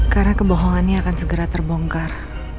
karena kebohongannya akan segera terbongkar